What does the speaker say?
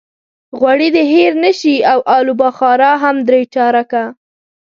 غوړي دې هېر نه شي او الوبخارا هم درې چارکه.